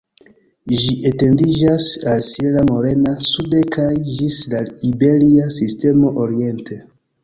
Ĝi etendiĝas al Sierra Morena sude kaj ĝis la Iberia Sistemo oriente.